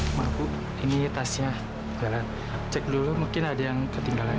cuma bu ini tasnya jalan cek dulu mungkin ada yang ketinggalan